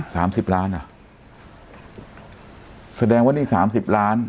สามสิบล้านอ่ะแสดงว่านี่สามสิบล้าน